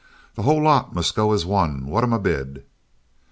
The whole lot must go as one. What am I bid?"